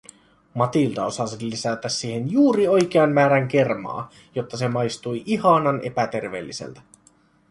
Matilda osasi lisätä siihen juuri oikean määrän kermaa, jotta se maistui ihanan epäterveelliseltä.